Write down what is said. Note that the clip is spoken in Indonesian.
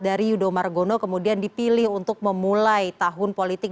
dari yudho margono kemudian dipilih untuk memulai tahun politik